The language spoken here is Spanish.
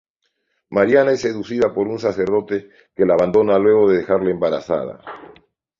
Mariana es seducida por un sacerdote que la abandona luego de dejarla embarazada.